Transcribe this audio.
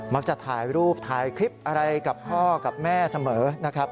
ถ่ายรูปถ่ายคลิปอะไรกับพ่อกับแม่เสมอนะครับ